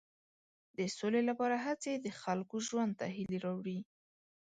د سولې لپاره هڅې د خلکو ژوند ته هیلې راوړي.